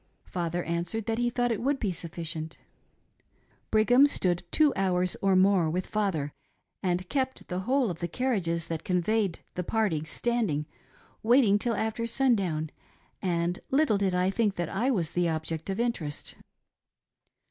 Father answered that he thought it would be sufficient. Brigham stood two hours or more with father and kept the whole of the car riages that conveyed the party standing waiting till after sundown, and little did I think that I was " the object of interest."